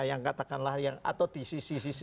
yang katakanlah atau di sisi sisi